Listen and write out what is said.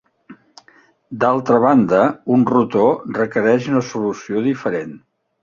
D'altra banda, un rotor requereix una solució diferent.